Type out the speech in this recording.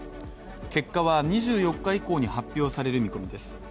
結果は２４日以降に発表される見込みです。